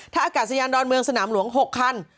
ถ้าอากาศยานดอนเมืองสนามหลวง๖คัน